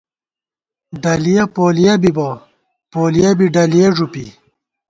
ڈلِیَہ پولِیَہ بِبہ ، پولِیَہ بی ڈَلِیَہ ݫُوپی